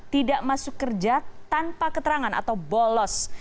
tidak masuk kerja tanpa keterangan atau bolos